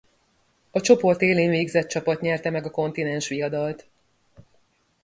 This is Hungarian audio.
A csoport élén végzett csapat nyerte meg a kontinensviadalt.